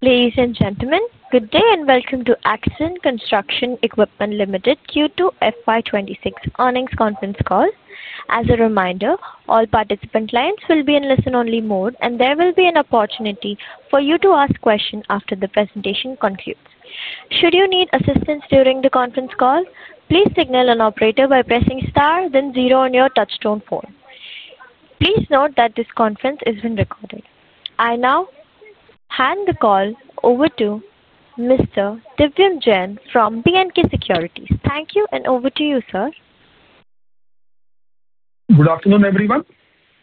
Earnings Conference Call. As a reminder, all participant lines will be in listen-only mode, and there will be an opportunity for you to ask questions after the presentation concludes. Should you need assistance during the conference call, please signal an operator by pressing star, then zero on your touchstone phone. Please note that this conference is being recorded. I now hand the call over to Mr. Divyam Jain from BK Securities. Thank you, and over to you, sir. Good afternoon, everyone.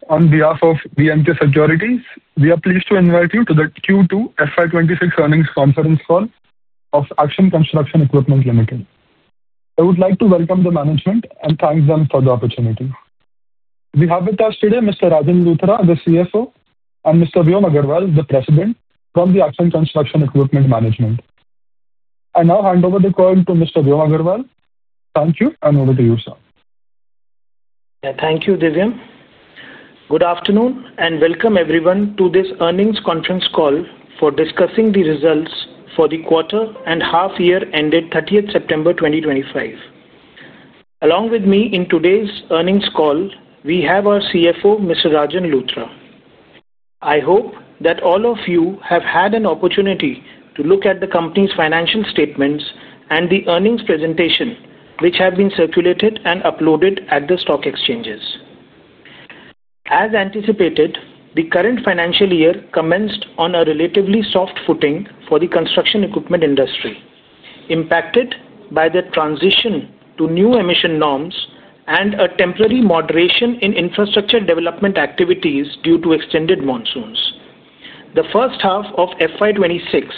On behalf of B&K Securities, we are pleased to invite you to the Q2 FY2026 earnings conference call of Action Construction Equipment Limited. I would like to welcome the management and thank them for the opportunity. We have with us today Mr. Rajan Luthra, the CFO, and Mr. Vyom Agarwal, the President from the Action Construction Equipment management. I now hand over the call to Mr. Vyom Agarwal. Thank you, and over to you, sir. Thank you, Divyam. Good afternoon, and welcome everyone to this earnings conference call for discussing the results for the quarter and half-year ended 30th September 2025. Along with me in today's earnings call, we have our CFO, Mr. Rajan Luthra. I hope that all of you have had an opportunity to look at the company's financial statements and the earnings presentation, which have been circulated and uploaded at the stock exchanges. As anticipated, the current financial year commenced on a relatively soft footing for the construction equipment industry, impacted by the transition to new emission norms and a temporary moderation in infrastructure development activities due to extended monsoons. The first half of FY26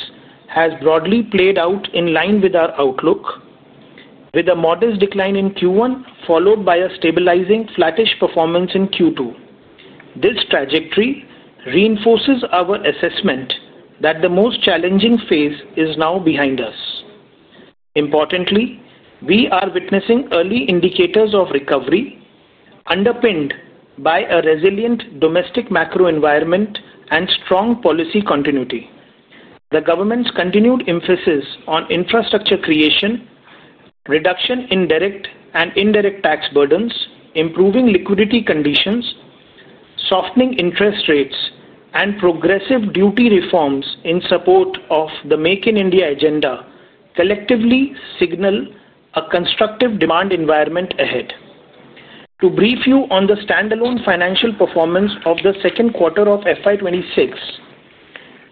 has broadly played out in line with our outlook, with a modest decline in Q1 followed by a stabilizing flattish performance in Q2. This trajectory reinforces our assessment that the most challenging phase is now behind us. Importantly, we are witnessing early indicators of recovery, underpinned by a resilient domestic macro environment and strong policy continuity. The government's continued emphasis on infrastructure creation, reduction in direct and indirect tax burdens, improving liquidity conditions, softening interest rates, and progressive duty reforms in support of the Make in India agenda collectively signal a constructive demand environment ahead. To brief you on the standalone financial performance of the second quarter of 2026,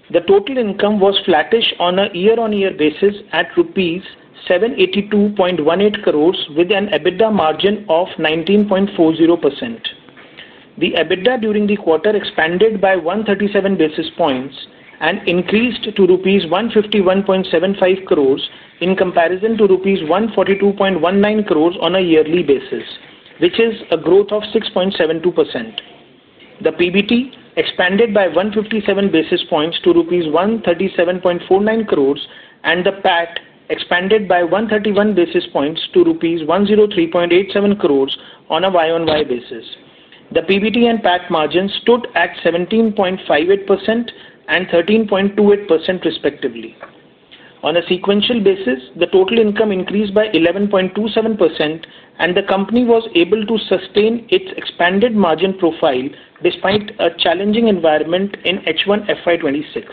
the total income was flattish on a year-on-year basis at rupees 782.18 crores, with an EBITDA margin of 19.40%. The EBITDA during the quarter expanded by 137 basis points and increased to rupees 151.75 crores in comparison to rupees 142.19 crores on a yearly basis, which is a growth of 6.72%. The PBT expanded by 157 basis points to rupees 137.49 crores, and the PAT expanded by 131 basis points to rupees 103.87 crores on a year-on-year basis. The PBT and PAT margins stood at 17.58% and 13.28%, respectively. On a sequential basis, the total income increased by 11.27%, and the company was able to sustain its expanded margin profile despite a challenging environment in H1 FY2026.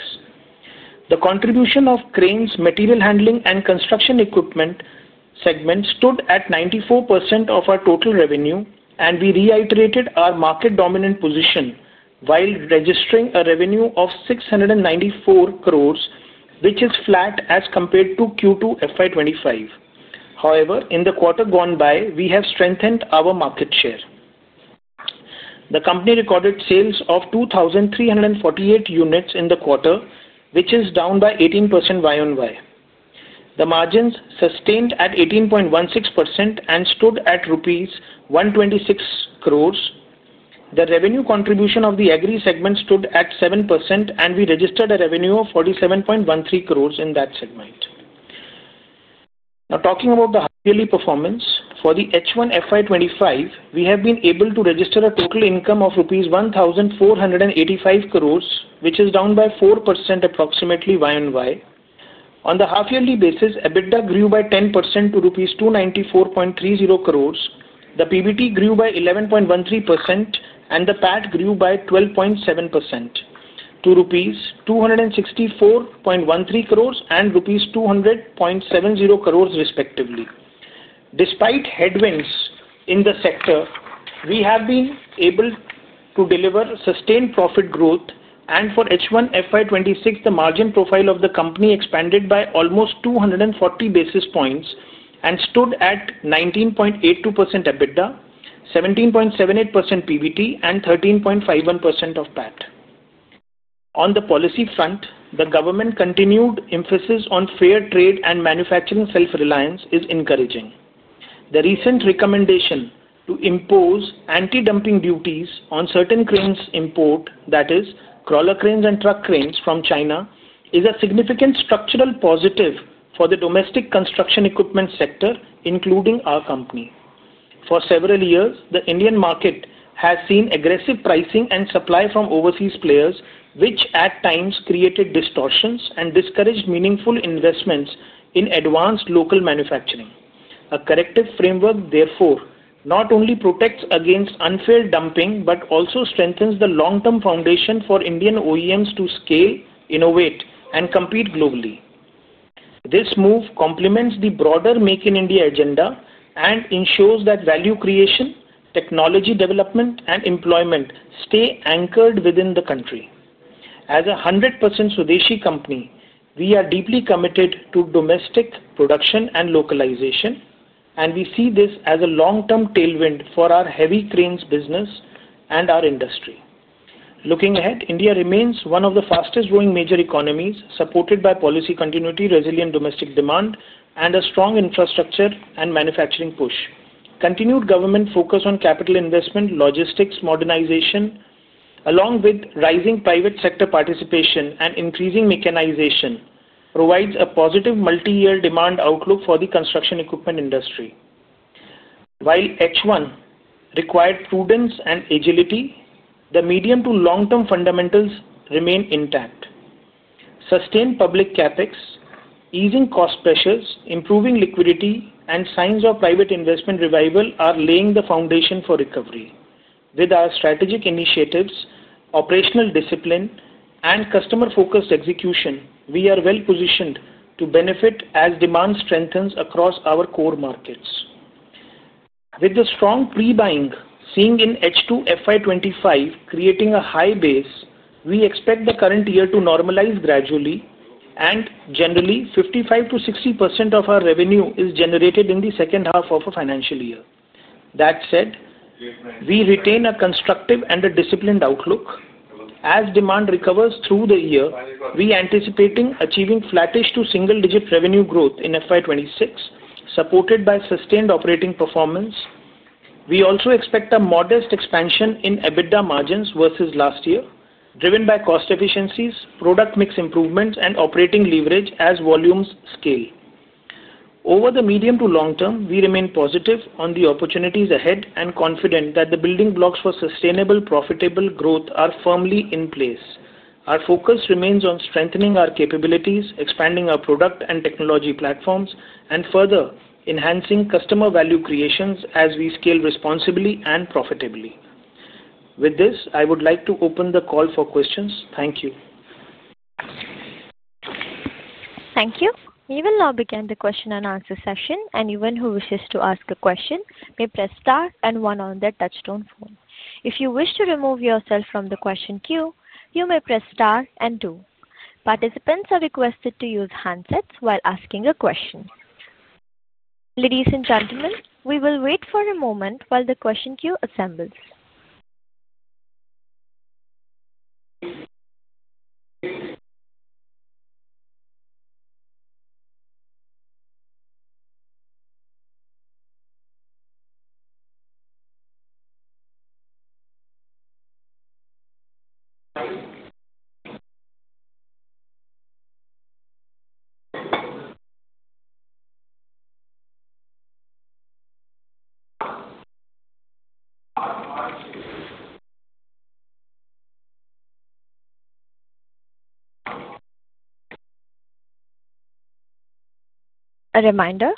The contribution of cranes, material handling, and construction equipment segments stood at 94% of our total revenue, and we reiterated our market-dominant position while registering a revenue of 694 crore, which is flat as compared to Q2 FY2025. However, in the quarter gone by, we have strengthened our market share. The company recorded sales of 2,348 units in the quarter, which is down by 18% Y-on-Y. The margins sustained at 18.16% and stood at rupees 126 crore. The revenue contribution of the agri segment stood at 7%, and we registered a revenue of 47.13 crore in that segment. Now, talking about the yearly performance, for the H1 FY2025, we have been able to register a total income of rupees 1,485 crore, which is down by 4%, approximately Y-on-Y. On the half-yearly basis, EBITDA grew by 10% to rupees 294.30 crore, the PBT grew by 11.13%, and the PAT grew by 12.7% to rupees 264.13 crore and rupees 200.70 crore, respectively. Despite headwinds in the sector, we have been able to deliver sustained profit growth, and for H1 FY2026, the margin profile of the company expanded by almost 240 basis points and stood at 19.82% EBITDA, 17.78% PBT, and 13.51% of PAT. On the policy front, the government's continued emphasis on fair trade and manufacturing self-reliance is encouraging. The recent recommendation to impose Anti-Dumping Duties on certain cranes import, that is, Crawler Cranes and Truck Cranes from China, is a significant structural positive for the domestic construction equipment sector, including our company. For several years, the Indian market has seen aggressive pricing and supply from overseas players, which at times created distortions and discouraged meaningful investments in advanced local manufacturing. A corrective framework, therefore, not only protects against unfair dumping but also strengthens the long-term foundation for Indian OEMs to scale, innovate, and compete globally. This move complements the broader Make in India agenda and ensures that value creation, technology development, and employment stay anchored within the country. As a 100% Swadeshi company, we are deeply committed to domestic production and localization, and we see this as a long-term tailwind for our heavy cranes business and our industry. Looking ahead, India remains one of the fastest-growing major economies, supported by policy continuity, resilient domestic demand, and a strong infrastructure and manufacturing push. Continued government focus on capital investment, logistics, modernization, along with rising private sector participation and increasing mechanization, provides a positive multi-year demand outlook for the construction equipment industry. While H1 required prudence and agility, the medium to long-term fundamentals remain intact. Sustained public CapEx, easing cost pressures, improving liquidity, and signs of private investment revival are laying the foundation for recovery. With our strategic initiatives, operational discipline, and customer-focused execution, we are well-positioned to benefit as demand strengthens across our core markets. With the strong pre-buying seen in H2 FY2025 creating a high base, we expect the current year to normalize gradually, and generally, 55%-60% of our revenue is generated in the second half of a financial year. That said, we retain a constructive and a disciplined outlook. As demand recovers through the year, we anticipate achieving flattish to single-digit revenue growth in FY2026, supported by sustained operating performance. We also expect a modest expansion in EBITDA margins versus last year, driven by cost efficiencies, product mix improvements, and operating leverage as volumes scale. Over the medium to long term, we remain positive on the opportunities ahead and confident that the building blocks for sustainable, profitable growth are firmly in place. Our focus remains on strengthening our capabilities, expanding our product and technology platforms, and further enhancing customer value creations as we scale responsibly and profitably. With this, I would like to open the call for questions. Thank you. Thank you. We will now begin the Question and Answer session, and anyone who wishes to ask a question may press star and one on their touch phone. If you wish to remove yourself from the question queue, you may press star and two. Participants are requested to use handsets while asking a question. Ladies and gentlemen, we will wait for a moment while the question queue assembles. A reminder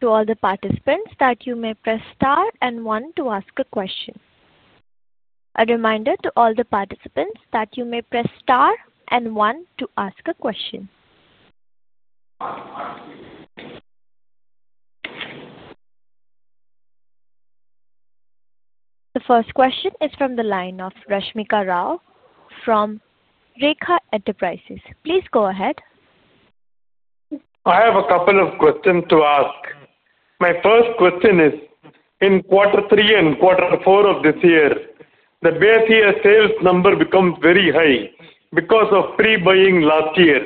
to all the participants that you may press star and one to ask a question. The first question is from the line of Rashmika Rao from Rekha Enterprises. Please go ahead. I have a couple of questions to ask. My first question is, in quarter three and quarter four of this year, the Bay Area sales number becomes very high because of pre-buying last year.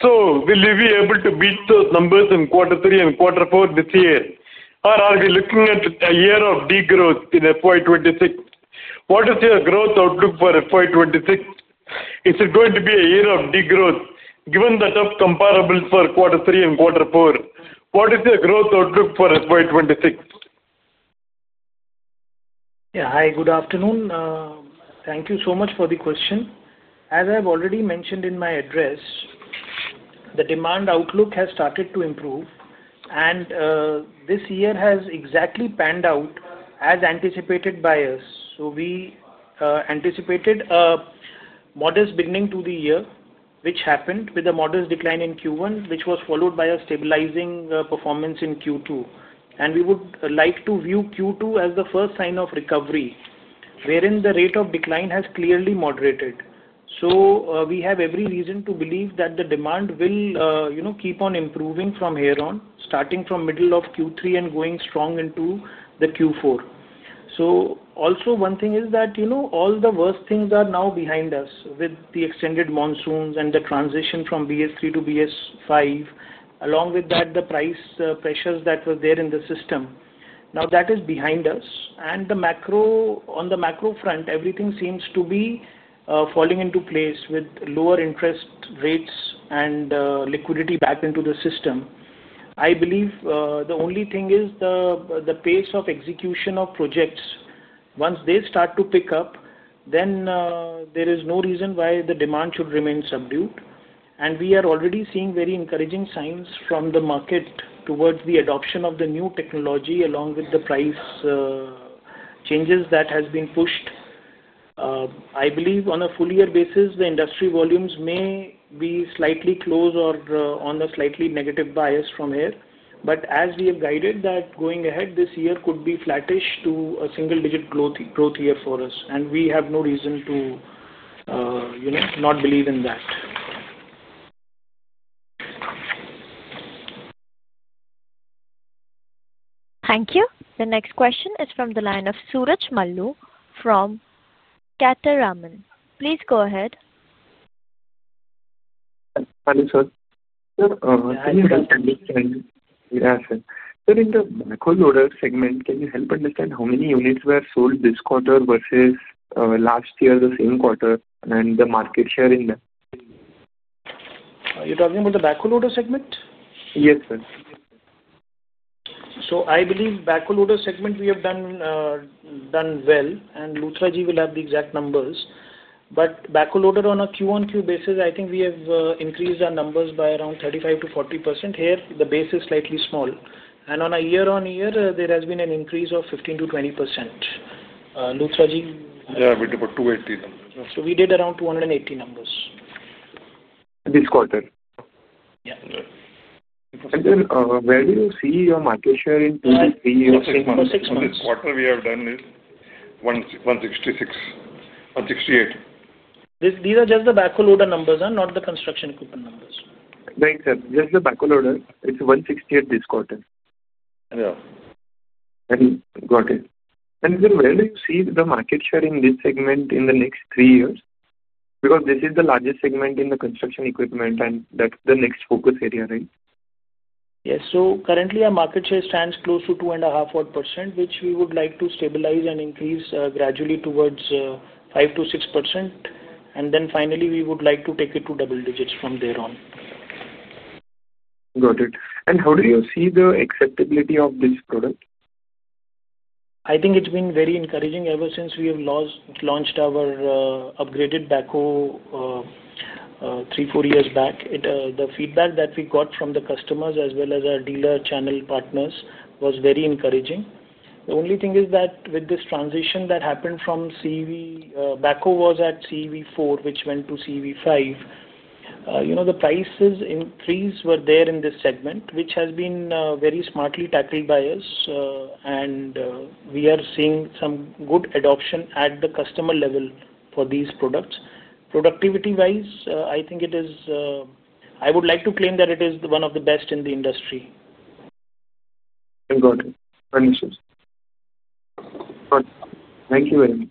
Will we be able to beat those numbers in quarter three and quarter four this year? Are we looking at a year of degrowth in FY2026? What is your growth outlook for FY2026? Is it going to be a year of degrowth, given that of comparables for quarter three and quarter four? What is your growth outlook for FY2026? Yeah, hi, good afternoon. Thank you so much for the question. As I have already mentioned in my address, the demand outlook has started to improve, and this year has exactly panned out as anticipated by us. We anticipated a modest beginning to the year, which happened with a modest decline in Q1, which was followed by a stabilizing performance in Q2. We would like to view Q2 as the first sign of recovery, wherein the rate of decline has clearly moderated. We have every reason to believe that the demand will keep on improving from here on, starting from middle of Q3 and going strong into Q4. Also, one thing is that all the worst things are now behind us with the extended monsoons and the transition from BS-III to BS-V, along with the price pressures that were there in the system. Now, that is behind us. On the macro front, everything seems to be falling into place with lower interest rates and liquidity back into the system. I believe the only thing is the pace of execution of projects. Once they start to pick up, there is no reason why the demand should remain subdued. We are already seeing very encouraging signs from the market towards the adoption of the new technology, along with the price changes that have been pushed. I believe on a full-year basis, the industry volumes may be slightly close or on a slightly negative bias from here. As we have guided, going ahead, this year could be flattish to a single-digit growth year for us, and we have no reason to not believe in that. Thank you. The next question is from the line of Suraj Malu from Catamaran. Please go ahead. Thanks, sir. Can you help understand? Yes, sir. In the Backhoe Loader segment, can you help understand how many units were sold this quarter versus last year, the same quarter, and the market share in that? Are you talking about the Backhoe Loader segment? Yes, sir. I believe Backhoe Loader segment, we have done well, and Luthra ji will have the exact numbers. But Backhoe Loader on a Q on Q basis, I think we have increased our numbers by around 35%-40%. Here, the base is slightly small. And on a year-on-year, there has been an increase of 15%-20%. Luthra ji. Yeah, we did about 280 numbers. We did around 280 numbers. This quarter. Yeah. Where do you see your market share in Q2, Q3, or Q4? For six months, quarter we have done is 168. These are just the Backhoe Loader numbers, not the construction equipment numbers. Right, sir. Just the Backhoe Loader, it's 168 this quarter. Yeah. Got it. Sir, where do you see the market share in this segment in the next three years? Because this is the largest segment in the construction equipment, and that's the next focus area, right? Yes. Currently, our market share stands close to 2.54%, which we would like to stabilize and increase gradually towards 5%-6%. Then finally, we would like to take it to double digits from there on. Got it. How do you see the acceptability of this product? I think it's been very encouraging ever since we have launched our upgraded Backhoe three, four years back. The feedback that we got from the customers as well as our dealer channel partners was very encouraging. The only thing is that with this transition that happened from BS-III backhoe was at BS-IV, which went to BS-V. The prices increase were there in this segment, which has been very smartly tackled by us, and we are seeing some good adoption at the customer level for these products. Productivity-wise, I think it is I would like to claim that it is one of the best in the industry. Got it. Thank you, sir. Thank you very much.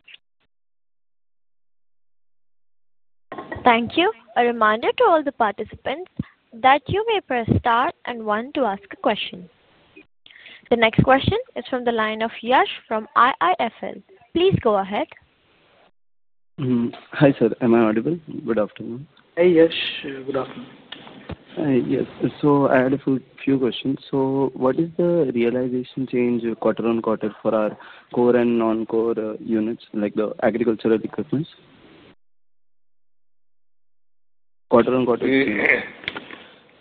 Thank you. A reminder to all the participants that you may press star and one to ask a question. The next question is from the line of Yash Bhan from IIFL. Please go ahead. Hi, sir. Am I audible? Good afternoon. Hey, Yash. Good afternoon. Yes. I had a few questions. What is the realization change quarter on quarter for our core and non-core units, like the Agricultural Equipment? Quarter on Quarter?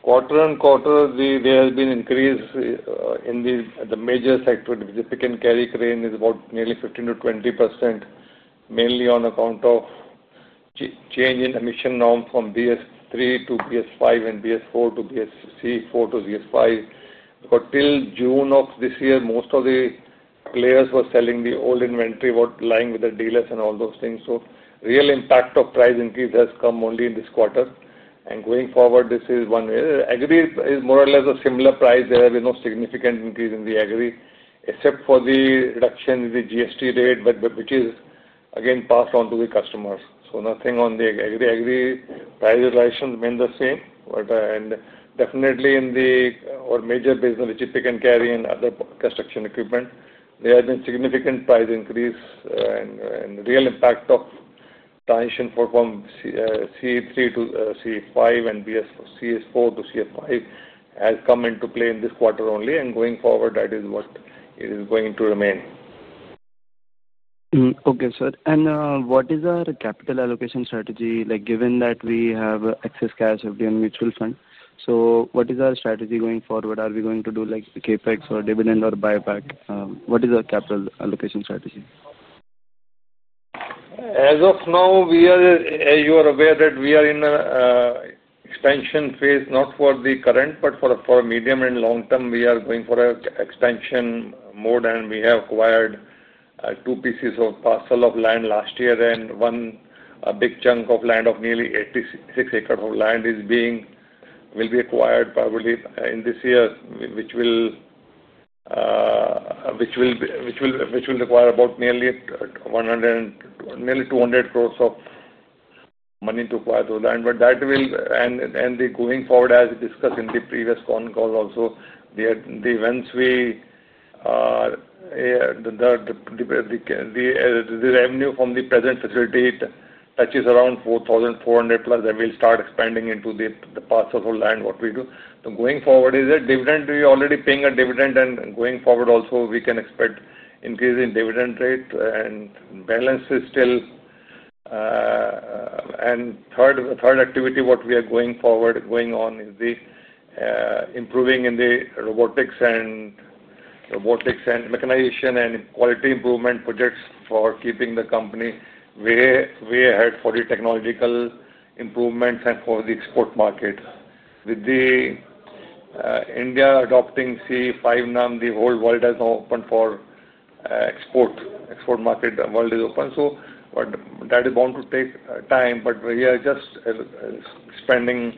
Quarter on Quarter, there has been increase in the major sector. The significant carry crane is about nearly 15%-20%, mainly on account of change in emission norm from BS-III to BS-V and BS-IV to BS-V. Till June of this year, most of the players were selling the old inventory while lying with the dealers and all those things. The real impact of price increase has come only in this quarter. Going forward, this is one agree is more or less a similar price. There will be no significant increase in the agree except for the reduction in the GST rate, which is again passed on to the customers. Nothing on the agree. Agree price realization remained the same. Definitely in the major business, which is pick and carry and other construction equipment, there has been significant price increase, and real impact of transition from C3 to C5 and CS4 to CS5 has come into play in this quarter only. Going forward, that is what it is going to remain. Okay, sir. What is our capital allocation strategy? Given that we have excess cash every day in mutual fund, what is our strategy going forward? Are we going to do CapEx or dividend or buyback? What is our capital allocation strategy? As of now, as you are aware, we are in an extension phase, not for the current, but for medium and long term. We are going for an extension mode, and we have acquired two pieces of parcel of land last year, and one big chunk of land of nearly 86 acres of land will be acquired probably in this year, which will require about nearly 200 crore of money to acquire those land. That will, and going forward, as discussed in the previous conference also, the revenue from the present facility touches around 4,400 plus, and we will start expanding into the parcel of land what we do. Going forward, is it dividend? We are already paying a dividend, and going forward also, we can expect increase in dividend rate and balance is still. The third activity we are going forward with is improving in the robotics and mechanization and quality improvement projects for keeping the company way ahead for the technological improvements and for the export market. With India adopting C5 now, the whole world has now opened for export. Export market, the world is open. That is bound to take time, but we are just spending,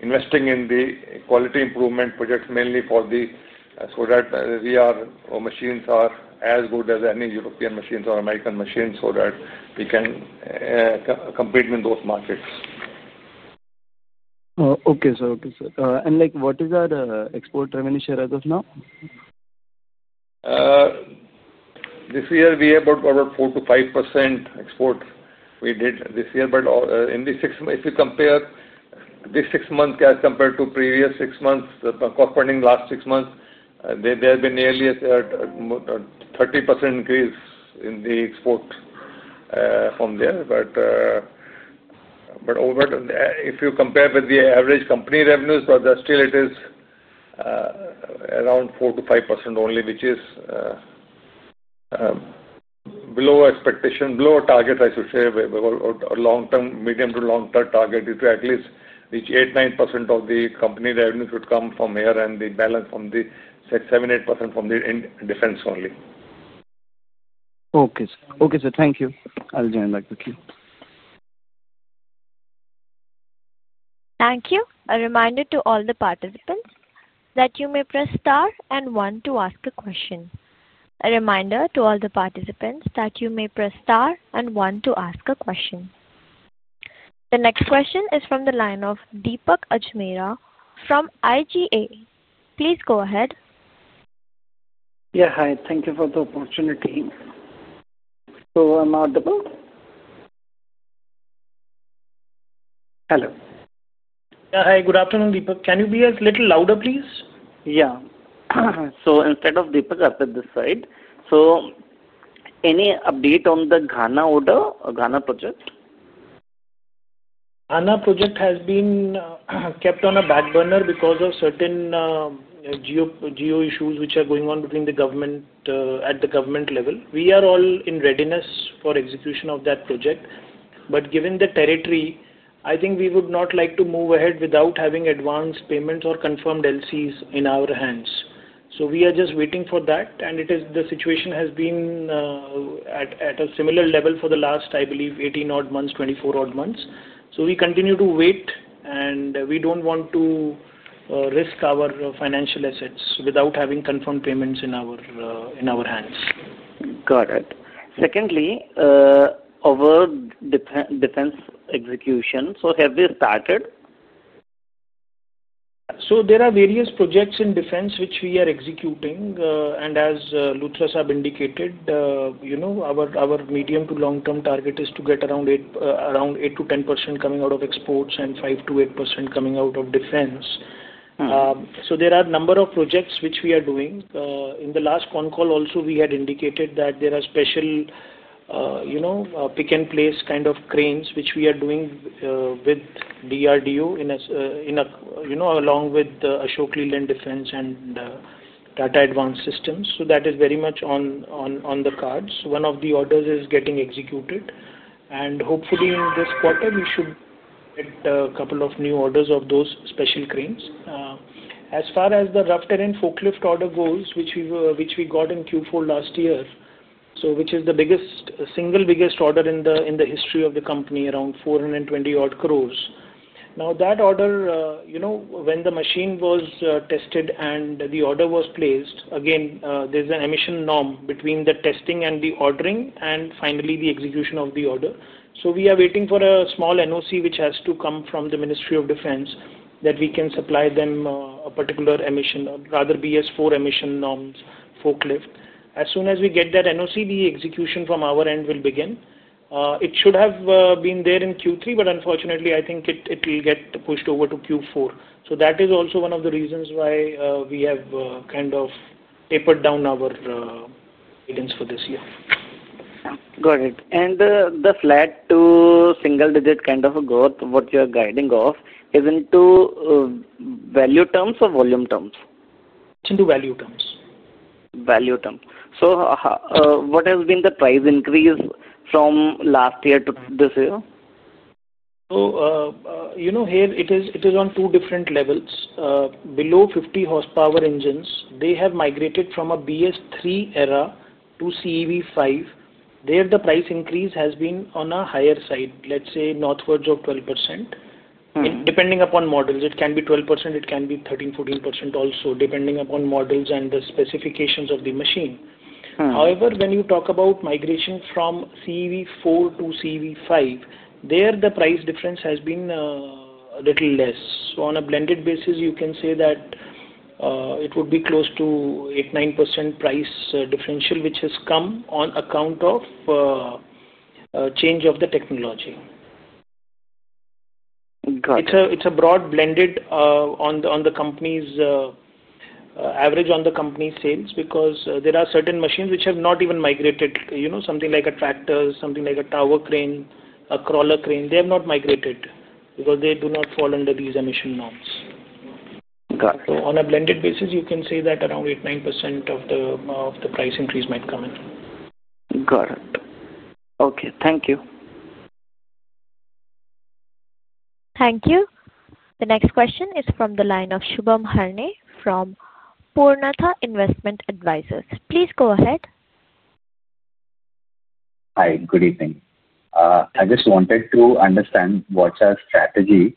investing in the quality improvement projects mainly so that our machines are as good as any European machines or American machines so that we can compete in those markets. Okay, sir. Okay, sir. What is our export revenue share as of now? This year, we are about 4%-5% export we did this year. In the six months, if you compare this six months as compared to previous six months, the cost funding last six months, there has been nearly a 30% increase in the export from there. If you compare with the average company revenues, still it is around 4%-5% only, which is below expectation, below target, I should say, a long-term, medium to long-term target to at least reach 8%-9% of the company revenue should come from here and the balance from the 7%-8% from the defense only. Okay, sir. Okay, sir. Thank you. I'll join back with you. Thank you. A reminder to all the participants that you may press star and one to ask a question. The next question is from the line of Deepak Ajmera from IGE India. Please go ahead. Yeah, hi. Thank you for the opportunity. So, I'm audible? Hello. Yeah, hi. Good afternoon, Deepak. Can you be a little louder, please? Yeah. So instead of Deepak, I've got this side. So any update on the Ghana order, Ghana project? Ghana project has been kept on a back burner because of certain geo issues which are going on at the government level. We are all in readiness for execution of that project. Given the territory, I think we would not like to move ahead without having advanced payments or confirmed LCs in our hands. We are just waiting for that. The situation has been at a similar level for the last, I believe, 18-odd months, 24-odd months. We continue to wait, and we do not want to risk our financial assets without having confirmed payments in our hands. Got it. Secondly, about defense execution, so have we started? There are various projects in defense which we are executing. As Luthra has indicated, our medium to long-term target is to get around 8% to 10% coming out of exports and 5% to 8% coming out of defense. There are a number of projects which we are doing. In the last con call also, we had indicated that there are special pick and place kind of cranes which we are doing with DRDO along with Ashok Leyland Defense and Tata Advanced Systems. That is very much on the cards. One of the orders is getting executed. Hopefully, in this quarter, we should get a couple of new orders of those special cranes. As far as the rough terrain forklift order goes, which we got in Q4 last year, which is the single biggest order in the history of the company, around 420 crore. Now, that order, when the machine was tested and the order was placed, again, there's an emission norm between the testing and the ordering and finally the execution of the order. We are waiting for a small NOC which has to come from the Ministry of Defense that we can supply them a particular emission, rather BS-IV emission norms forklift. As soon as we get that NOC, the execution from our end will begin. It should have been there in Q3, but unfortunately, I think it will get pushed over to Q4. That is also one of the reasons why we have kind of tapered down our cadence for this year. Got it. The flat to single digit kind of growth, what you are guiding off, is into value terms or volume terms? It's into value terms. Value terms. So what has been the price increase from last year to this year? Here, it is on two different levels. Below 50 horsepower engines, they have migrated from a BS-III era to BS-V. There, the price increase has been on a higher side, let's say northwards of 12%. Depending upon models, it can be 12%, it can be 13%, 14% also, depending upon models and the specifications of the machine. However, when you talk about migration from BS-IV to BS-V, there, the price difference has been a little less. On a blended basis, you can say that it would be close to 8%-9% price differential, which has come on account of change of the technology. Got it. It's a broad blended on the average on the company sales because there are certain machines which have not even migrated, something like a tractor, something like a tower crane, a Crawler Crane. They have not migrated because they do not fall under these emission norms. Got it. On a blended basis, you can say that around 8%-9% of the price increase might come in. Got it. Okay. Thank you. Thank you. The next question is from the line of Shubham Harne from Purnartha Investment Advisors. Please go ahead. Hi. Good evening. I just wanted to understand what's our strategy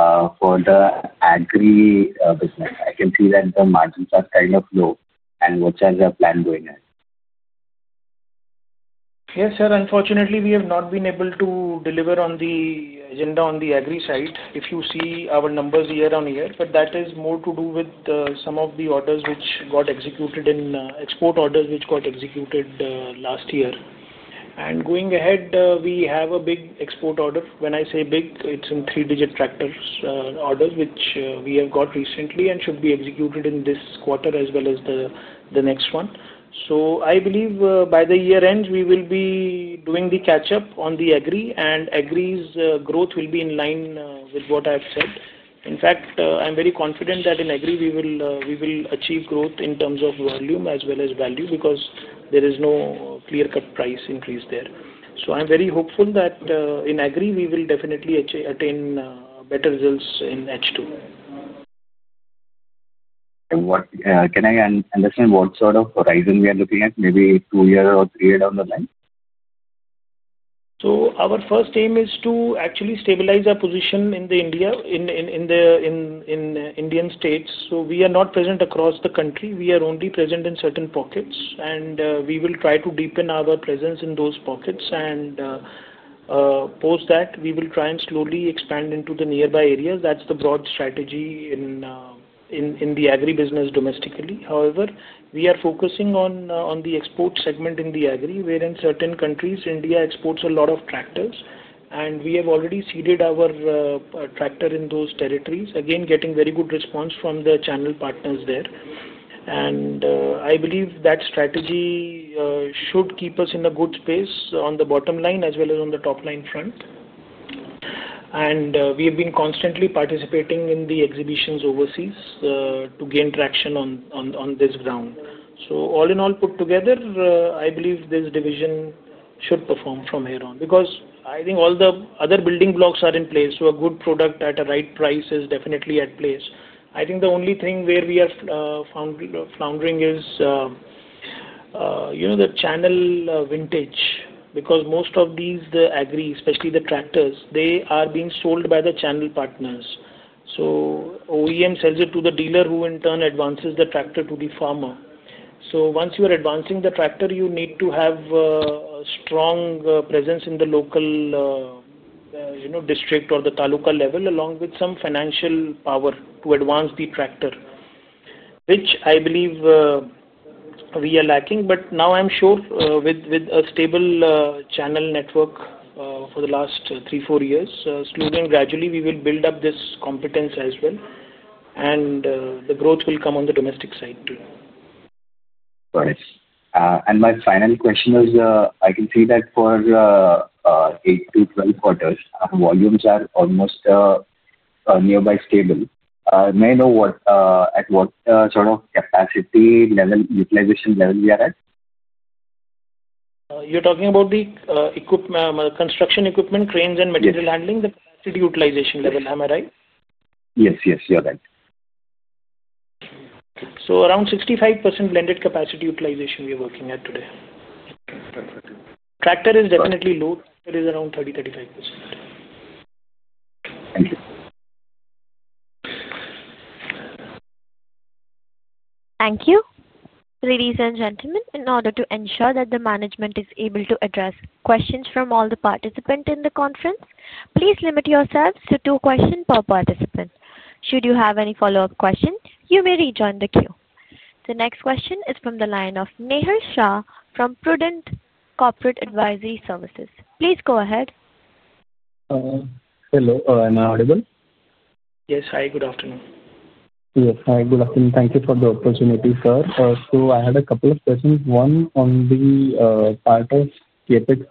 for the agri business. I can see that the margins are kind of low. What's our plan going ahead? Yes, sir. Unfortunately, we have not been able to deliver on the agenda on the agri side. If you see our numbers year on year, but that is more to do with some of the orders which got executed in export orders which got executed last year. If you look ahead, we have a big export order. When I say big, it is in three-digit Tractors orders which we have got recently and should be executed in this quarter as well as the next one. I believe by the year end, we will be doing the catch-up on the agri, and agri's growth will be in line with what I have said. In fact, I am very confident that in agri, we will achieve growth in terms of volume as well as value because there is no clear-cut price increase there. I'm very hopeful that in agri, we will definitely attain better results in H2. Can I understand what sort of horizon we are looking at, maybe two years or three years down the line? Our first aim is to actually stabilize our position in India in the Indian states. We are not present across the country. We are only present in certain pockets, and we will try to deepen our presence in those pockets and, post that, we will try and slowly expand into the nearby areas. That is the broad strategy in the agri business domestically. However, we are focusing on the export segment in the agri, where in certain countries, India exports a lot of Tractors, and we have already seeded our tractor in those territories, again, getting very good response from the channel partners there. I believe that strategy should keep us in a good space on the bottom line as well as on the top line front. We have been constantly participating in the exhibitions overseas to gain traction on this ground. All in all, put together, I believe this division should perform from here on because I think all the other building blocks are in place. A good product at a right price is definitely at place. I think the only thing where we are floundering is the channel vintage. Because most of these agri, especially the Tractors, they are being sold by the channel partners. OEM sells it to the dealer who in turn advances the tractor to the farmer. Once you are advancing the tractor, you need to have a strong presence in the local district or the taluka level along with some financial power to advance the tractor, which I believe we are lacking. Now I'm sure with a stable channel network for the last three, four years, slowly and gradually, we will build up this competence as well. Growth will come on the domestic side too. Got it. My final question is, I can see that for eight to twelve quarters, volumes are almost nearby stable. May I know at what sort of capacity level, utilization level we are at? You're talking about the construction equipment, cranes, and material handling, the capacity utilization level, am I right? Yes, yes. You're right. Around 65% blended capacity utilization we are working at today. Tractor is definitely low. Tractor is around 30%-35%. Thank you. Thank you. Ladies and gentlemen, in order to ensure that the management is able to address questions from all the participants in the conference, please limit yourselves to two questions per participant. Should you have any follow-up questions, you may rejoin the queue. The next question is from the line of Nihal Shah from Prudent Corporate Advisory Services. Please go ahead. Hello. Am I audible? Yes. Hi. Good afternoon. Yes. Hi. Good afternoon. Thank you for the opportunity, sir. I had a couple of questions. One on the part of CapEx.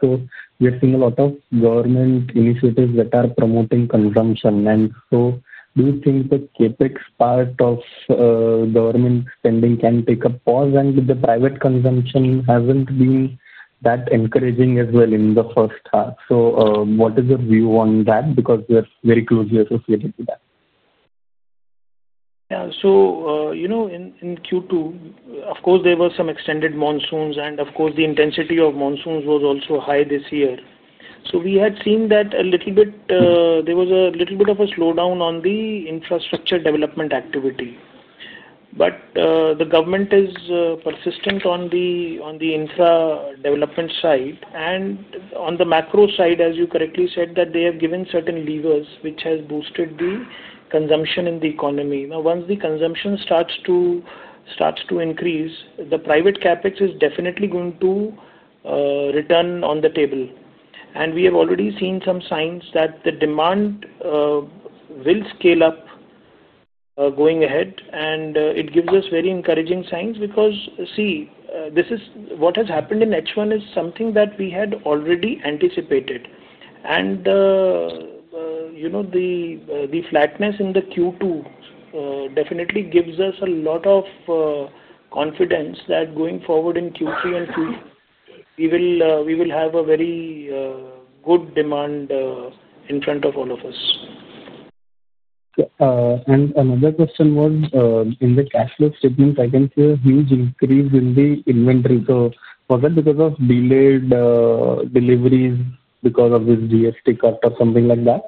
We are seeing a lot of government initiatives that are promoting consumption. Do you think the CapEx part of government spending can take a pause? The private consumption has not been that encouraging as well in the first half. What is your view on that? We are very closely associated with that. Yeah. In Q2, of course, there were some extended monsoons. Of course, the intensity of monsoons was also high this year. We had seen that there was a little bit of a slowdown on the infrastructure development activity. The government is persistent on the infra development side. On the macro side, as you correctly said, they have given certain levers which have boosted the consumption in the economy. Now, once the consumption starts to increase, the private CapEx is definitely going to return on the table. We have already seen some signs that the demand will scale up going ahead. It gives us very encouraging signs because, see, what has happened in H1 is something that we had already anticipated. The flatness in the Q2 definitely gives us a lot of confidence that going forward in Q3 and Q4, we will have a very good demand in front of all of us. Another question was, in the cash flow statement, I can see a huge increase in the inventory. Was that because of delayed deliveries because of this GST cut or something like that?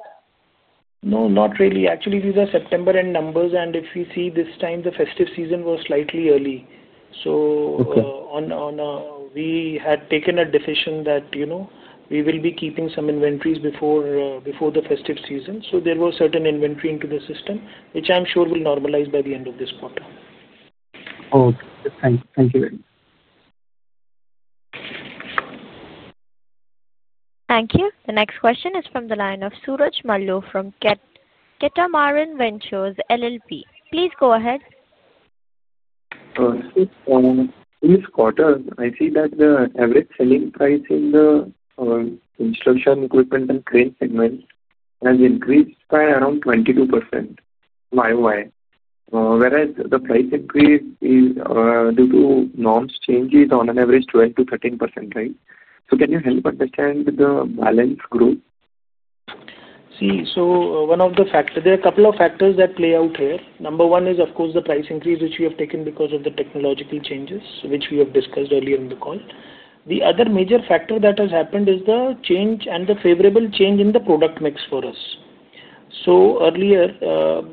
No, not really. Actually, these are September-end numbers. If you see, this time, the festive season was slightly early. We had taken a decision that we will be keeping some inventories before the festive season. There was certain inventory into the system, which I'm sure will normalize by the end of this quarter. Okay. Thank you. Thank you very much. Thank you. The next question is from the line of Suraj Malu from Catamaran. Please go ahead. This quarter, I see that the average selling price in the construction equipment and crane segment has increased by around 22% year over year, whereas the price increase due to norms changes on an average is 12% to 13%, right? Can you help understand the balance growth? See, one of the factors, there are a couple of factors that play out here. Number one is, of course, the price increase which we have taken because of the technological changes which we have discussed earlier in the call. The other major factor that has happened is the change and the favorable change in the product mix for us. Earlier,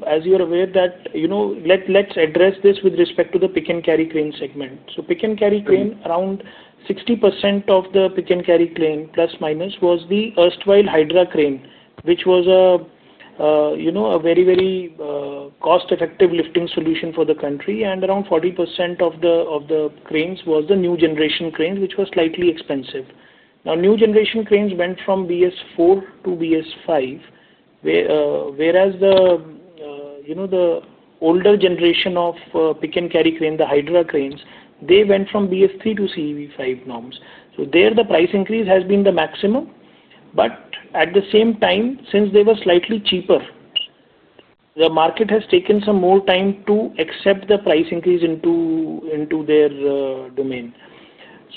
as you are aware, let's address this with respect to the Pick and Carry Crane segment. Pick and Carry Crane, around 60% of the Pick and Carry Crane, plus minus, was the erstwhile Hydra Crane, which was a very, very cost-effective lifting solution for the country. Around 40% of the cranes was the new generation cranes, which were slightly expensive. Now, new generation cranes went from BS-IV to BS-V, whereas the older generation of Pick and Carry Cranes, the Hydra Cranes, they went from BS-III to BS-V norms. There, the price increase has been the maximum. At the same time, since they were slightly cheaper, the market has taken some more time to accept the price increase into their domain.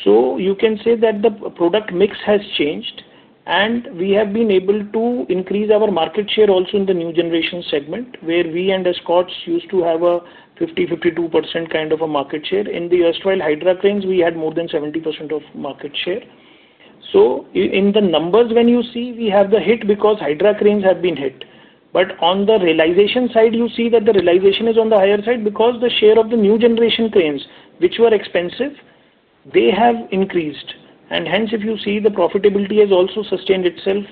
You can say that the product mix has changed, and we have been able to increase our market share also in the new generation segment, where we and the Scots used to have a 50%-52% kind of a market share. In the erstwhile Hydra Cranes, we had more than 70% of market share. In the numbers, when you see, we have the hit because Hydra Cranes have been hit. On the realization side, you see that the realization is on the higher side because the share of the new generation cranes, which were expensive, they have increased. Hence, if you see, the profitability has also sustained itself,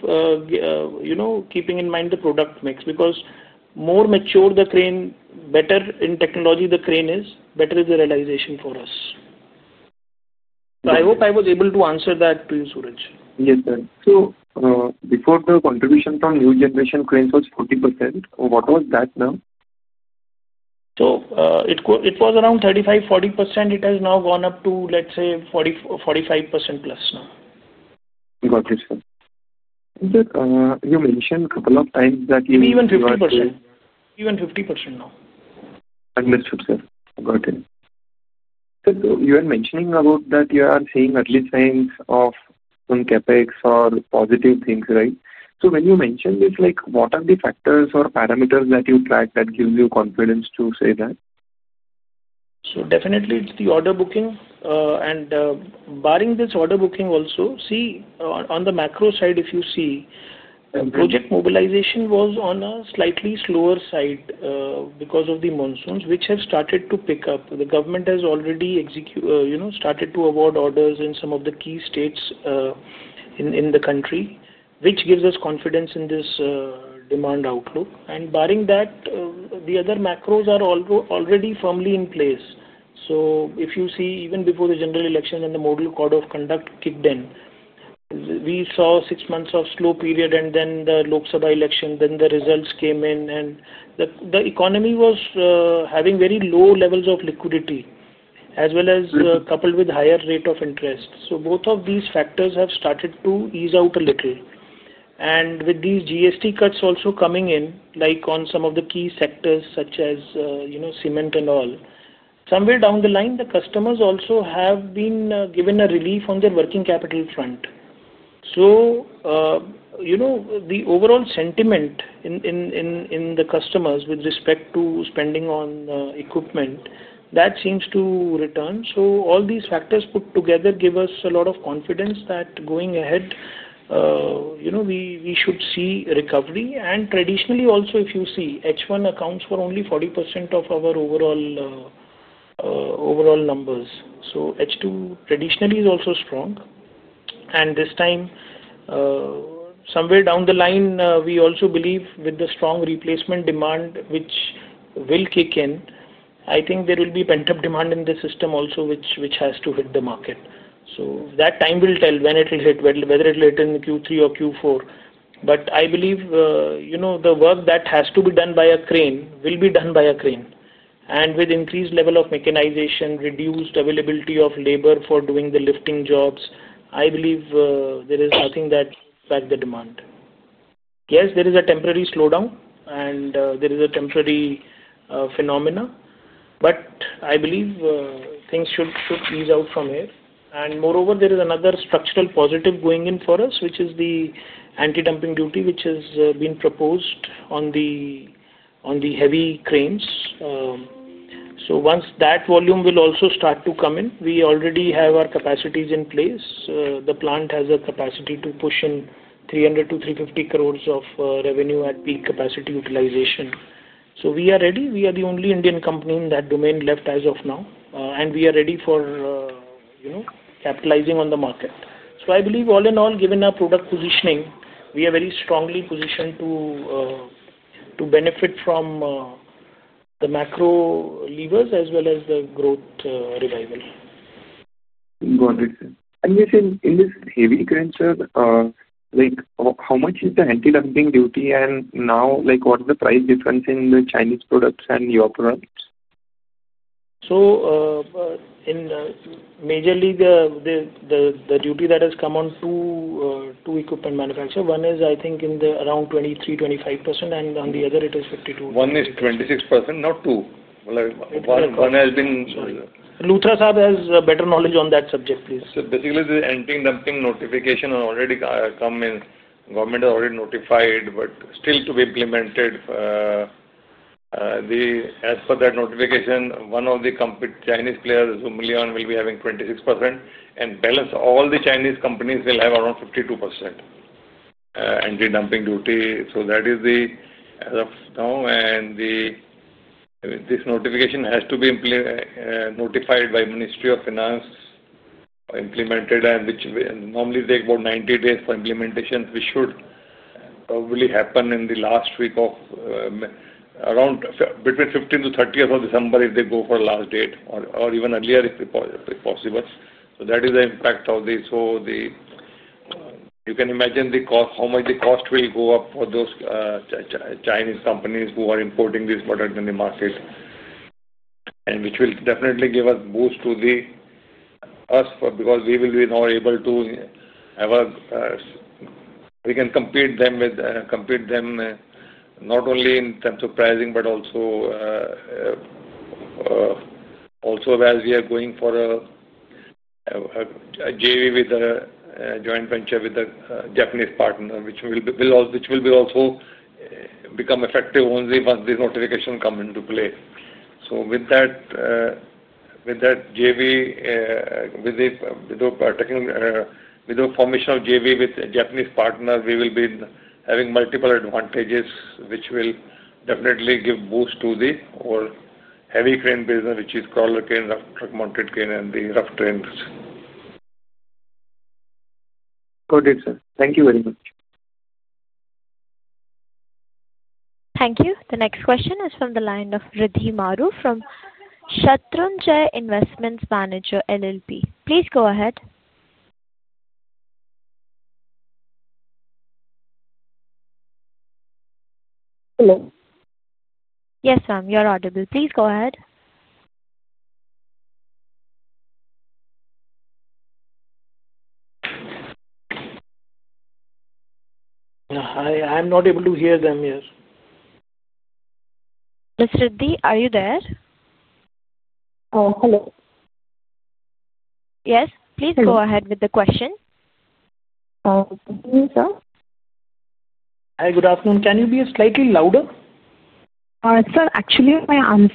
keeping in mind the product mix. Because the more mature the crane, better in technology the crane is, the better is the realization for us. I hope I was able to answer that to you, Suraj. Yes, sir. So before the contribution from new generation cranes was 40%, what was that now? It was around 35%-40%. It has now gone up to, let's say, 45% plus now. Got it, sir. You mentioned a couple of times that you. Maybe even 50%. Even 50% now. Understood, sir. Got it. You are mentioning about that you are seeing early signs of some CapEx or positive things, right? When you mention this, what are the factors or parameters that you track that give you confidence to say that? Definitely, it is the order booking. Barring this order booking also, see, on the macro side, if you see, project mobilization was on a slightly slower side because of the monsoons, which have started to pick up. The government has already started to award orders in some of the key states in the country, which gives us confidence in this demand outlook. Barring that, the other macros are already firmly in place. If you see, even before the general election and the Model Code of Conduct kicked in, we saw six months of slow period, and then the Lok Sabha election, then the results came in, and the economy was having very low levels of liquidity, as well as coupled with a higher rate of interest. Both of these factors have started to ease out a little. With these GST cuts also coming in, like on some of the key sectors such as cement and all, somewhere down the line, the customers also have been given a relief on their working capital front. The overall sentiment in the customers with respect to spending on equipment, that seems to return. All these factors put together give us a lot of confidence that going ahead, we should see recovery. Traditionally, also, if you see, H1 accounts for only 40% of our overall numbers. H2 traditionally is also strong. This time, somewhere down the line, we also believe with the strong replacement demand, which will kick in, I think there will be pent-up demand in the system also, which has to hit the market. That time will tell when it will hit, whether it will hit in Q3 or Q4. I believe the work that has to be done by a Crane will be done by a Crane. With increased level of mechanization, reduced availability of labor for doing the lifting jobs, I believe there is nothing that will back the demand. Yes, there is a temporary slowdown, and there is a temporary phenomenon. I believe things should ease out from here. Moreover, there is another structural positive going in for us, which is the anti-dumping duty, which has been proposed on the heavy cranes. Once that volume will also start to come in, we already have our capacities in place. The plant has the capacity to push in 300 crore-350 crore of revenue at peak capacity utilization. We are ready. We are the only Indian company in that domain left as of now. We are ready for capitalizing on the market. I believe, all in all, given our product positioning, we are very strongly positioned to benefit from the macro levers as well as the growth revival. Got it, sir. You said in this heavy crane, sir, how much is the anti-dumping duty? Now, what's the price difference in the Chinese products and your products? Majorly, the duty that has come on two equipment manufacturers, one is, I think, around 23%-25%, and on the other, it is 52%. One is 26%. Now, two. One has been. Luthra Sahib has better knowledge on that subject, please. Basically, the anti-dumping notification has already come in. Government has already notified, but still to be implemented. As per that notification, one of the Chinese players, Zoomlion, will be having 26%. And balance, all the Chinese companies will have around 52% anti-dumping duty. That is the as of now. This notification has to be notified by the Ministry of Finance, implemented, and normally, they take about 90 days for implementation, which should probably happen in the last week of around between 15th to 30th of December if they go for the last date or even earlier if possible. That is the impact of this. You can imagine how much the cost will go up for those Chinese companies who are importing this product in the market, which will definitely give a boost to us because we will be now able to have a, we can compete them with not only in terms of pricing, but also as we are going for a JV with a Japanese partner, which will also become effective only once this notification comes into play. With that JV, with the formation of JV with a Japanese partner, we will be having multiple advantages, which will definitely give boost to the heavy crane business, which is Crawler Cranes, truck-mounted cranes, and the rough cranes. Got it, sir. Thank you very much. Thank you. The next question is from the line of Riddhi Maru from Shatrunjaya Investment Manager LLP. Please go ahead. Hello. Yes, ma'am. You're audible. Please go ahead. I'm not able to hear them yet. Ms. Riddhi, are you there? Hello. Yes. Please go ahead with the question. Good afternoon, sir. Hi, good afternoon. Can you be slightly louder? Sir, actually, my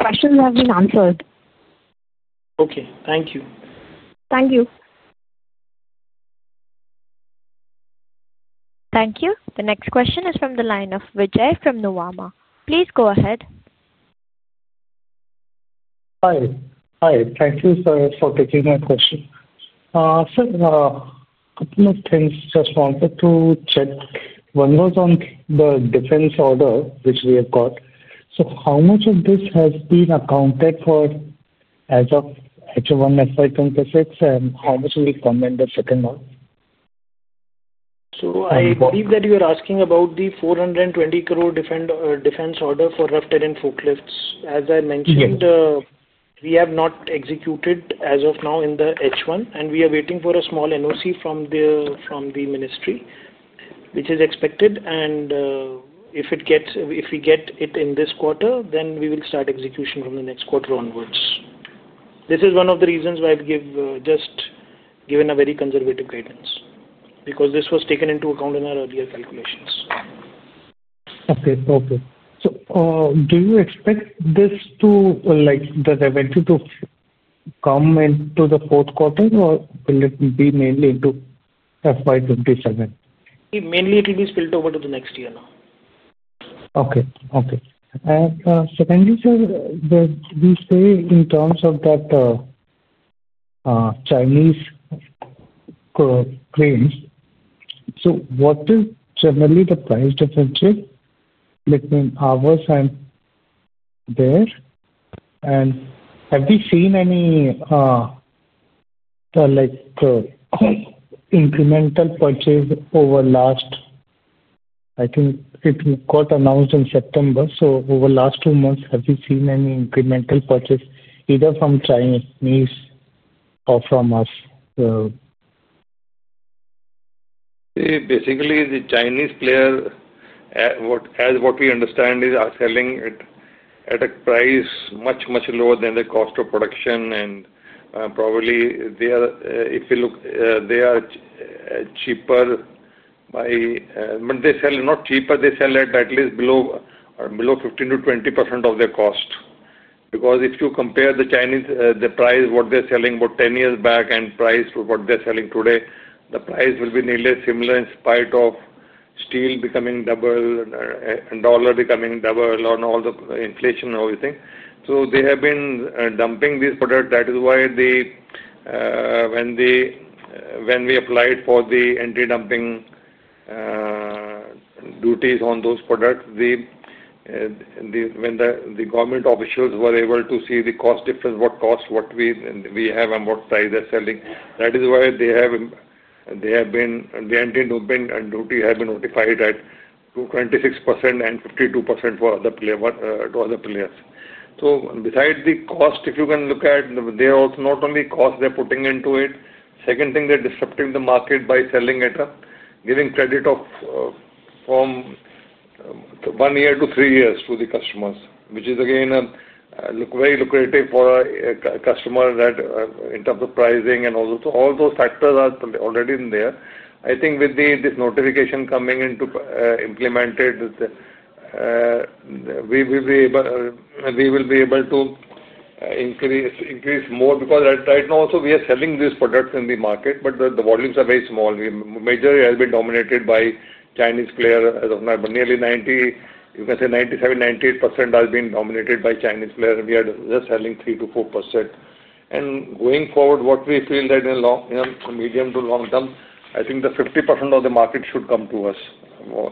questions have been answered. Okay. Thank you. Thank you. Thank you. The next question is from the line of Vijay Sundaram from Nomura. Please go ahead. Hi. Thank you, sir, for taking my question. Sir, a couple of things just wanted to check. One was on the defense order, which we have got. How much of this has been accounted for as of H1, FY 2026, and how much will come in the second half? I believe that you are asking about the 420 crore defense order for Rough Terrain Forklifts. As I mentioned, we have not executed as of now in the H1, and we are waiting for a small NOC from the ministry, which is expected. If we get it in this quarter, then we will start execution from the next quarter onwards. This is one of the reasons why I have just given a very conservative guidance because this was taken into account in our earlier calculations. Okay. Okay. Do you expect this revenue to come into the fourth quarter, or will it be mainly into FY 2027? Mainly, it will be spilled over to the next year now. Okay. Okay. Can you say, you say in terms of that Chinese cranes, what is generally the price difference between ours and theirs? Have we seen any incremental purchase over, I think it got announced in September, so over the last two months, have we seen any incremental purchase either from Chinese or from us? Basically, the Chinese player, as what we understand, is selling at a price much, much lower than the cost of production. And probably, if you look, they are cheaper by, but they sell not cheaper. They sell at at least below 15%-20% of their cost. Because if you compare the price what they're selling about 10 years back and price to what they're selling today, the price will be nearly similar in spite of steel becoming double and dollar becoming double and all the inflation and everything. They have been dumping these products. That is why when we applied for the Anti-Dumping Duties on those products, when the government officials were able to see the cost difference, what cost we have and what price they're selling, that is why the anti-dumping duty has been notified at 26% and 52% for other players. Besides the cost, if you can look at, they are also not only cost, they are putting into it. Second thing, they are disrupting the market by selling at a giving credit of one year to three years to the customers, which is, again, very lucrative for a customer in terms of pricing and all those factors are already in there. I think with this notification coming into implemented, we will be able to increase more because right now, also, we are selling these products in the market, but the volumes are very small. Majority has been dominated by Chinese players as of now. Nearly 90%, you can say 97%-98% has been dominated by Chinese players. We are just selling 3%-4%. Going forward, what we feel is that in the medium to long term, I think 50% of the market should come to us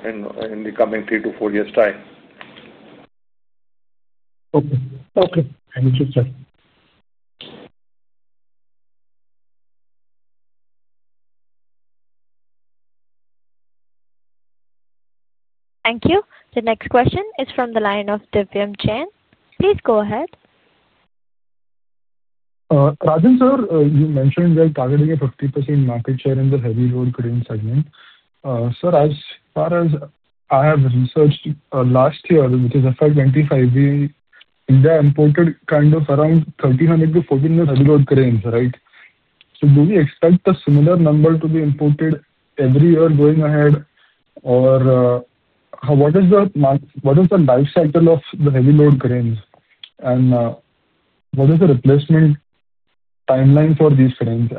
in the coming three to four years' time. Okay. Okay. Thank you, sir. Thank you. The next question is from the line of Divyam Jain. Please go ahead. Rajan, sir, you mentioned you're targeting a 50% market share in the heavy load crane segment. Sir, as far as I have researched last year, which is FY 2025, we in India imported kind of around 1,300-1,400 heavy load cranes, right? Do we expect a similar number to be imported every year going ahead? What is the life cycle of the heavy load cranes? What is the replacement timeline for these cranes?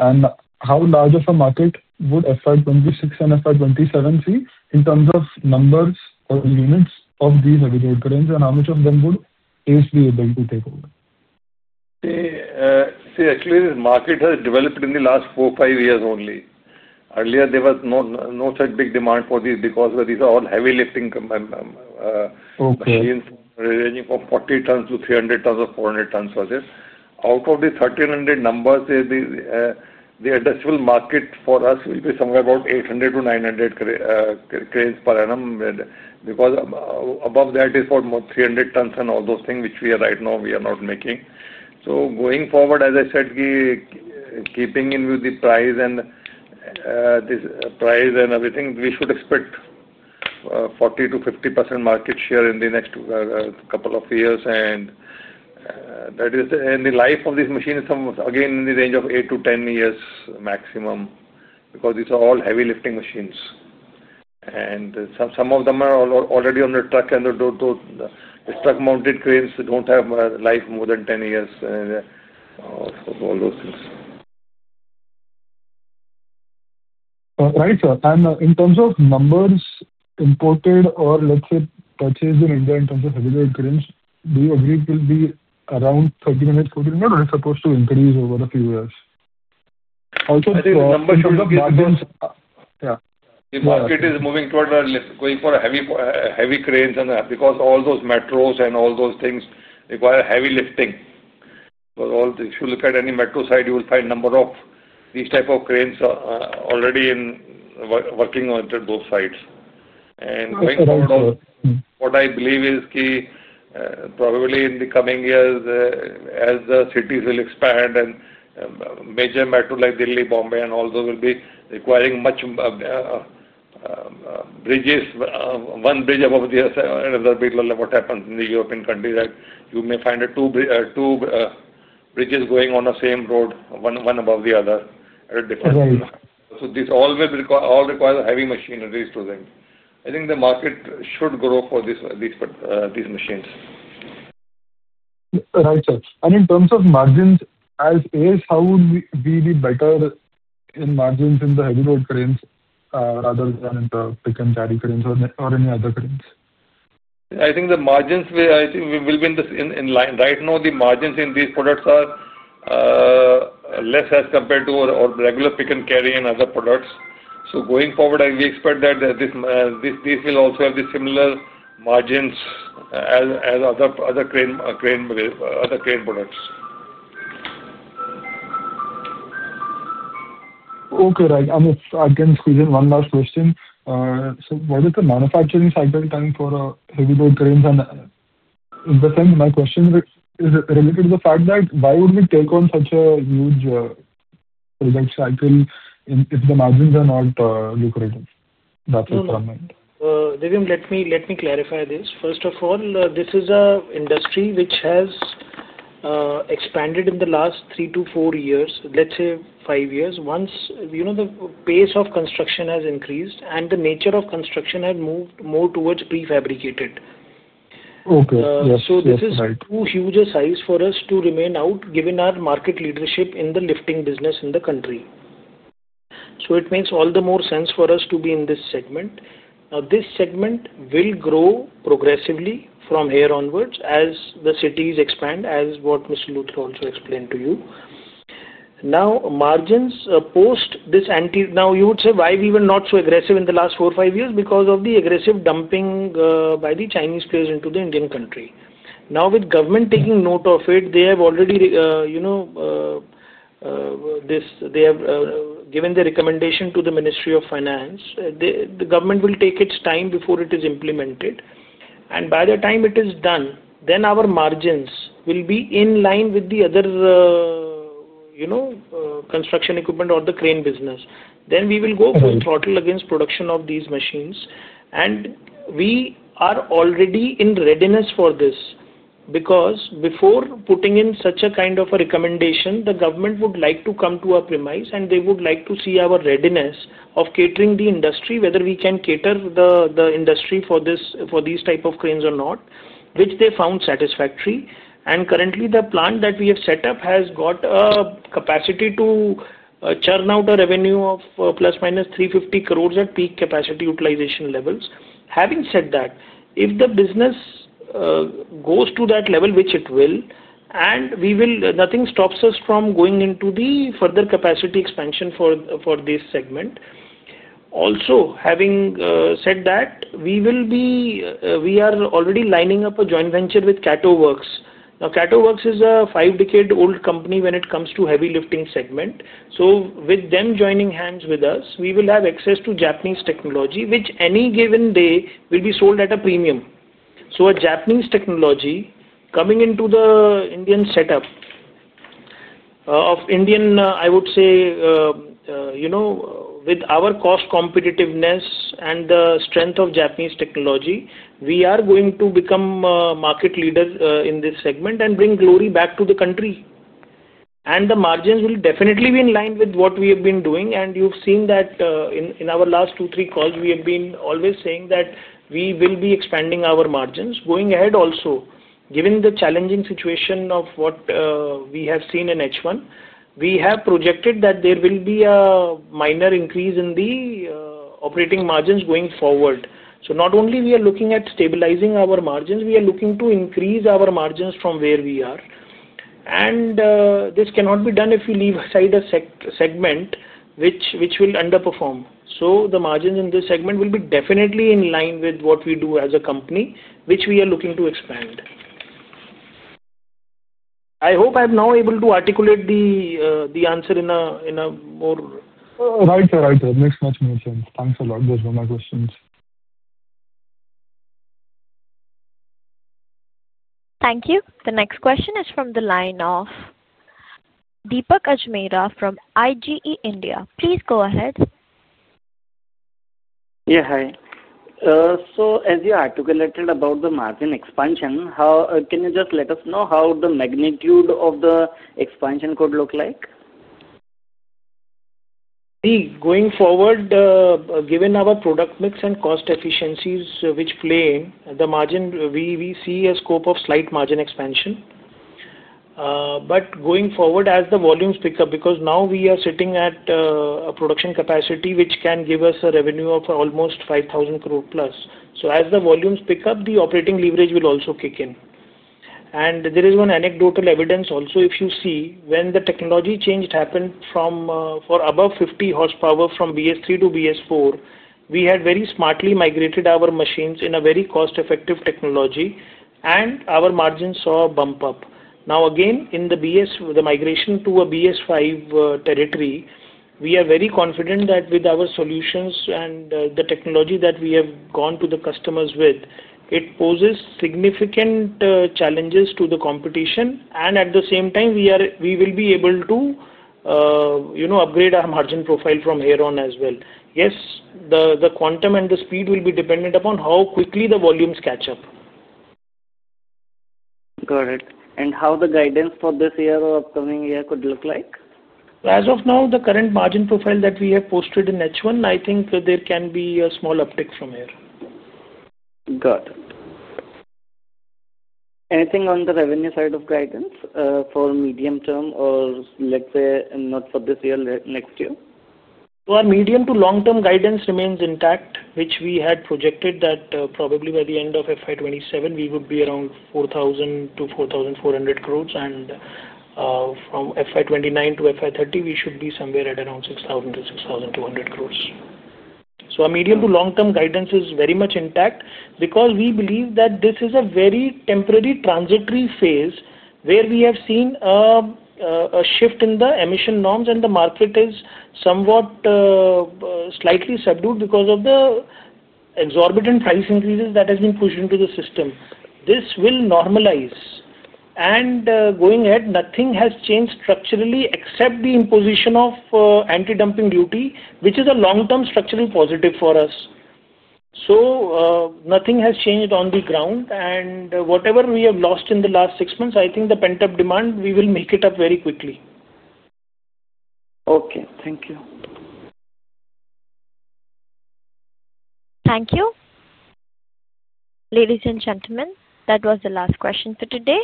How large of a market would FY 2026 and FY 2027 see in terms of numbers or units of these heavy load cranes, and how much of them would ACE be able to take over? See, actually, the market has developed in the last four or five years only. Earlier, there was no such big demand for these because these are all heavy lifting machines ranging from 40 tons to 300 tons or 400 tons or this. Out of the 1,300 numbers, the industrial market for us will be somewhere about 800-900 cranes per annum because above that is for 300 tons and all those things which we are right now we are not making. Going forward, as I said, keeping in view the price and this price and everything, we should expect 40%-50% market share in the next couple of years. That is in the life of these machines, again, in the range of 8-10 years maximum because these are all heavy lifting machines. Some of them are already on the truck, and the truck-mounted cranes do not have a life more than 10 years or all those things. Right, sir. In terms of numbers imported or, let's say, purchased in India in terms of heavy load cranes, do you agree it will be around 30 units quarterly? Or is it supposed to increase over a few years? Also, the market is moving toward going for heavy cranes because all those metros and all those things require heavy lifting. If you look at any metro site, you will find a number of these types of cranes already working on those sites. Going forward, what I believe is probably in the coming years, as the cities will expand and major metros like Delhi, Bombay, and all those will be requiring many bridges, one bridge above the other, what happens in the European countries is that you may find two bridges going on the same road, one above the other at a different level. This all requires heavy machinery to them. I think the market should grow for these machines. Right, sir? In terms of margins, as ACE, how would we be better in margins in the heavy load cranes rather than in the Pick and Carry Cranes or any other cranes? I think the margins will be in line. Right now, the margins in these products are less as compared to regular pick and carry and other products. Going forward, we expect that these will also have similar margins as other crane products. Okay. Right. Again, one last question. What is the manufacturing cycle time for heavy load cranes? In that sense, my question is related to the fact that why would we take on such a huge project cycle if the margins are not lucrative? That is what is on my mind. Divyam, let me clarify this. First of all, this is an industry which has expanded in the last three to four years, let's say five years. The pace of construction has increased, and the nature of construction has moved more towards prefabricated. Okay. That's very helpful. This is too huge a size for us to remain out, given our market leadership in the lifting business in the country. It makes all the more sense for us to be in this segment. Now, this segment will grow progressively from here onwards as the cities expand, as what Mr. Luthra also explained to you. Margins post this now, you would say, why we were not so aggressive in the last four or five years? Because of the aggressive dumping by the Chinese players into the Indian country. Now, with government taking note of it, they have already given the recommendation to the Ministry of Finance. The government will take its time before it is implemented. By the time it is done, then our margins will be in line with the other construction equipment or the crane business. We will go full throttle against production of these machines. We are already in readiness for this because before putting in such a kind of a recommendation, the government would like to come to our premise, and they would like to see our readiness of catering the industry, whether we can cater the industry for these types of cranes or not, which they found satisfactory. Currently, the plant that we have set up has got a capacity to churn out a revenue of plus minus 350 crore at peak capacity utilization levels. Having said that, if the business goes to that level, which it will, nothing stops us from going into the further capacity expansion for this segment. Also, having said that, we are already lining up a joint venture with Kato Works. Now, Kato Works is a five-decade-old company when it comes to the heavy lifting segment. With them joining hands with us, we will have access to Japanese technology, which any given day will be sold at a premium. A Japanese technology coming into the Indian setup of Indian, I would say, with our cost competitiveness and the strength of Japanese technology, we are going to become a market leader in this segment and bring glory back to the country. The margins will definitely be in line with what we have been doing. You have seen that in our last two, three calls, we have been always saying that we will be expanding our margins. Going ahead also, given the challenging situation of what we have seen in H1, we have projected that there will be a minor increase in the operating margins going forward. Not only are we looking at stabilizing our margins, we are looking to increase our margins from where we are. This cannot be done if you leave aside a segment which will underperform. The margins in this segment will be definitely in line with what we do as a company, which we are looking to expand. I hope I'm now able to articulate the answer in a more. Right, sir. Right, sir. It makes much more sense. Thanks a lot. Those were my questions. Thank you. The next question is from the line of Deepak Ajmera from IGE India. Please go ahead. Yeah. Hi. As you articulated about the margin expansion, can you just let us know how the magnitude of the expansion could look like? See, going forward, given our product mix and cost efficiencies which play, the margin, we see a scope of slight margin expansion. Going forward, as the volumes pick up, because now we are sitting at a production capacity which can give us a revenue of almost 5,000 crore plus. As the volumes pick up, the operating leverage will also kick in. There is one anecdotal evidence also. If you see, when the technology change happened for above 50 horsepower from BS-III to BS-IV, we had very smartly migrated our machines in a very cost-effective technology, and our margins saw a bump up. Now, again, in the migration to a BS-V territory, we are very confident that with our solutions and the technology that we have gone to the customers with, it poses significant challenges to the competition. At the same time, we will be able to upgrade our margin profile from here on as well. Yes, the quantum and the speed will be dependent upon how quickly the volumes catch up. Got it. How the guidance for this year or upcoming year could look like? As of now, the current margin profile that we have posted in H1, I think there can be a small uptick from here. Got it. Anything on the revenue side of guidance for medium term or, let's say, not for this year, next year? Our medium to long-term guidance remains intact, which we had projected that probably by the end of FY 2027, we would be around 4,000-4,400 crore. And from FY 2029 to FY 2030, we should be somewhere at around 6,000-6,200 crore. So our medium to long-term guidance is very much intact because we believe that this is a very temporary transitory phase where we have seen a shift in the emission norms, and the market is somewhat slightly subdued because of the exorbitant price increases that have been pushed into the system. This will normalize. Going ahead, nothing has changed structurally except the imposition of anti-dumping duty, which is a long-term structural positive for us. Nothing has changed on the ground. Whatever we have lost in the last six months, I think the pent-up demand, we will make it up very quickly. Okay. Thank you. Thank you. Ladies and gentlemen, that was the last question for today.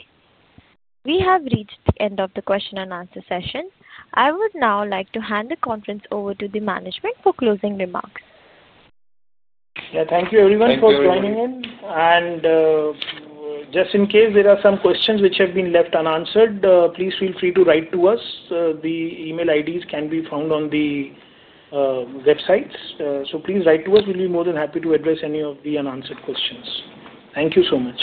We have reached the end of the question and answer session. I would now like to hand the conference over to the management for closing remarks. Yeah. Thank you, everyone, for joining in. Just in case there are some questions which have been left unanswered, please feel free to write to us. The email IDs can be found on the websites. Please write to us. We'll be more than happy to address any of the unanswered questions. Thank you so much.